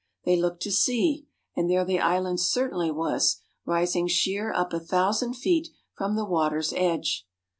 They looked to sea, and there the island certainly was, rising sheer up a thousand feet from the water's edge.